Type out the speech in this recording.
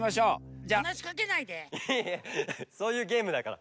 いやいやそういうゲームだから。